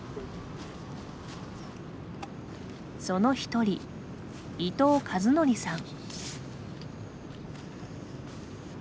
その１人、伊藤和徳さん。